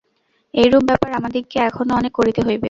এইরূপ ব্যাপার আমাদিগকে এখনও অনেক করিতে হইবে।